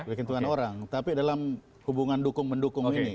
belum bukan dalam hitungan orang tapi dalam hubungan dukung mendukung ini